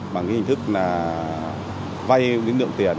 bằng hình thức vay lượng tiền